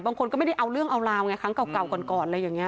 บางคนก็ไม่ได้เอาเรื่องเอาราวไงครั้งเก่าก่อนอะไรอย่างนี้